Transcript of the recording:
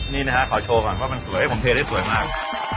นี่นะฮะขอโชว์ก่อนว่ามันสวยผมเทได้สวยมาก